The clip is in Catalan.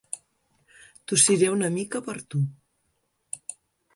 Tossiré un mica per tu